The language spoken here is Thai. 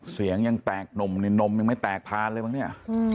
เสียงยังแตกหนุ่มนี่นมยังไม่แตกพานเลยมั้งเนี่ย